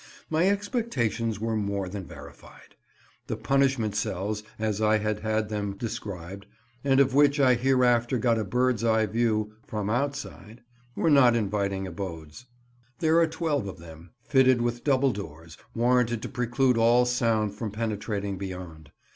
My expectations were more than verified. The punishment cells, as I had had them described, and of which I hereafter got a bird's eye view—from outside—were not inviting abodes. There are twelve of them, fitted with double doors, warranted to preclude all sound from penetrating beyond.